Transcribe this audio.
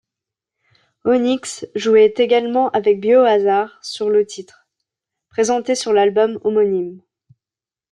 Onyx jouait également avec Biohazard sur le titre ', présenté sur l'album homonyme.